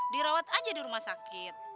dirawat aja di rumah sakit